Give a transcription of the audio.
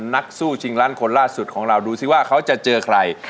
นักสู้ชิงล้านคนล่าสุดของเราดูสิว่าเขาจะเจอใคร